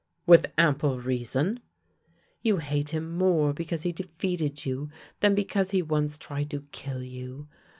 " With ample reason." " You hate him more because he defeated you than because he once tried to kill you.